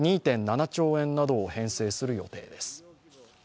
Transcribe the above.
２．７兆円などを編成する予定です。